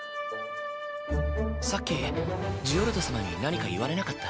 さっきジオルド様に何か言われなかった？